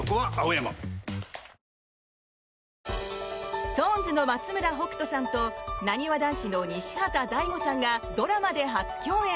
ＳｉｘＴＯＮＥＳの松村北斗さんとなにわ男子の西畑大吾さんがドラマで初共演！